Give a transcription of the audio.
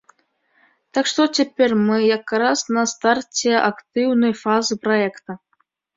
Так што цяпер мы якраз на старце актыўнай фазы праекта.